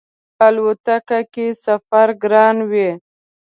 الوتکه کی سفر ګران وی